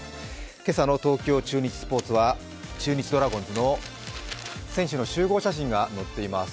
今日の中日スポーツは中日ドラゴンズの選手の集合写真が載っています。